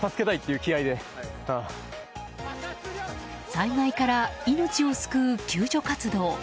災害から命を救う救助活動。